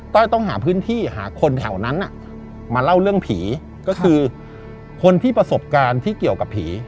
้อยต้องหาพื้นที่หาคนแถวนั้นมาเล่าเรื่องผีก็คือคนที่ประสบการณ์ที่เกี่ยวกับผี